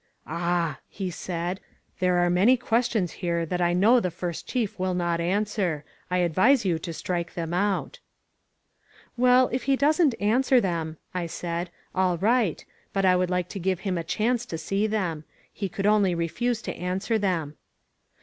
Ah!" he said; "there are many questions here that I know the First Chief will not answer. I advise you to strike them out." 270 CARRANZA— AN IMPRESSION *'Well, if he doesn't answer them," I said, "all right. But I would like to give him a chance to see them. He could only refuse to answer them."